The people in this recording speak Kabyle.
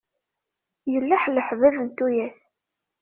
Yelleḥleḥ bab n tuyat.